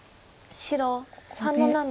白３の七。